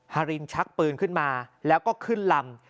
ฮรินชักปืนขึ้นมาแล้วก็ขึ้นลำ